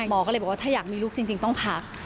หมอก็เลยบอกว่าถ้าอยากมีลูกจริงต้องพัก